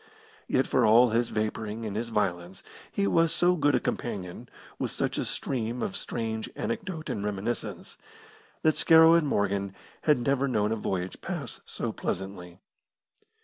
Yet for all his vapouring and his violence he was so good a companion, with such a stream of strange anecdote and reminiscence, that Scarrow and Morgan had never known a voyage pass so pleasantly.